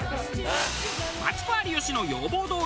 マツコ有吉の要望どおり